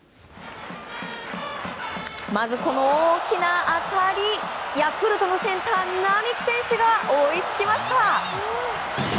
まず、この大きな当たりヤクルトのセンター、並木選手が追いつきました。